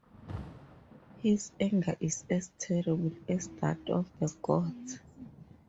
His anger is as terrible as that of the gods.